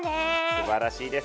すばらしいですよ。